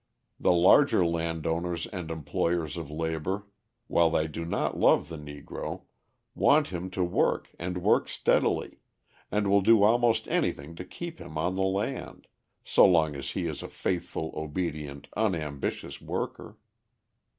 The larger landowners and employers of labour, while they do not love the Negro, want him to work and work steadily, and will do almost anything to keep him on the land so long as he is a faithful, obedient, unambitious worker.